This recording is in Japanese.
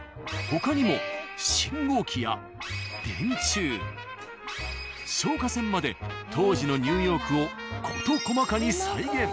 他にも信号機や電柱消火栓まで当時のニューヨークを事細かに再現。